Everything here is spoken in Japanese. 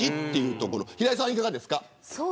平井さんは、いかがですか。